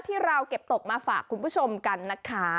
ที่เราเก็บตกมาฝากคุณผู้ชมกันนะคะ